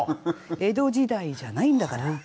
江戸時代じゃないんだから。